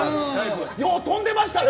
よう跳んでましたよ